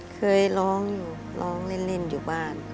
เคยร้องอยู่ร้องเล่นอยู่บ้าน